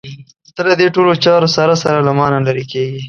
ته له دې ټولو چارو سره سره له مانه لرې کېږې.